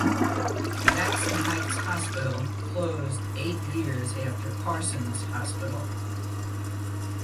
Jackson Heights Hospital closed eight years after Parsons Hospital.